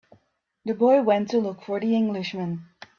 The boy went to look for the Englishman.